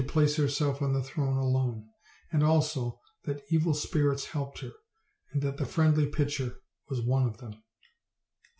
place herself on the throne alone; and also that evil spirits helped her; and that the friendly pitcher was one of them.